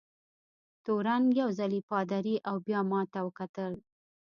تورن یو ځلي پادري او بیا ما ته وکتل.